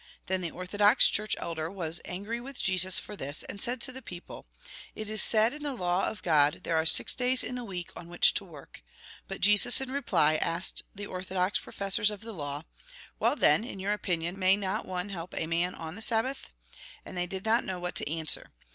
Then the orthodox church ekler was angry with Jesus for this, and said to the people :" It is said in the law of God : There are six days in the week on which to work." But Jesus, in reply, asked the orthodox professors of the law :" "Well, then, in your opinion, may not one help a man on the Sabbath ?" And they did not know what to answer.